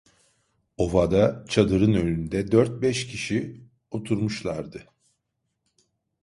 Ovada, çadırın önünde, dört beş kişi oturmuşlardı.